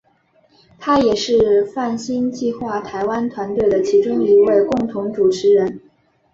他也是泛星计画台湾团队的其中一位共同主持人。